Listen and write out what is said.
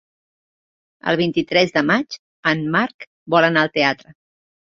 El vint-i-tres de maig en Marc vol anar al teatre.